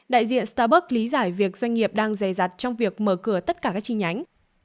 đại diện startburg lý giải việc doanh nghiệp đang dày dặt trong việc mở cửa tất cả các chi nhánh